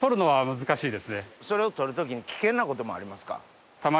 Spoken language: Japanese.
それを取る時に危険なこともありますか？